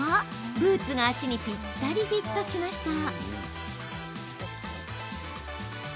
ブーツが足にぴったりフィットしました。